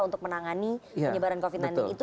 untuk menangani penyebaran covid sembilan belas itu